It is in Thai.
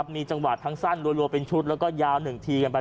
มีจังหวะทั้งสั้นรัวเป็นชุดแล้วก็ยาว๑ทีกันไป